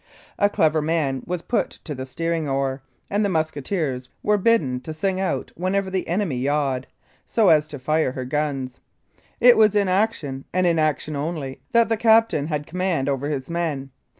A clever man was put to the steering oar, and the musketeers were bidden to sing out whenever the enemy yawed, so as to fire her guns. It was in action, and in action only, that the captain had command over his men.